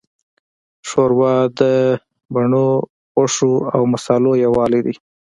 ښوروا د بڼو، غوښو، او مصالحو یووالی دی.